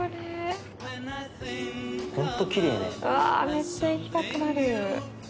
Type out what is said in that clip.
めっちゃ行きたくなる。